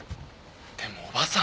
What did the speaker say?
でもおばさん！